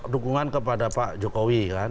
dukungan kepada pak jokowi